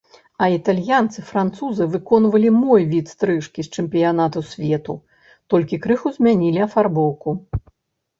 А італьянцы, французы выконвалі мой від стрыжкі з чэмпіянату свету, толькі крыху змянілі афарбоўку.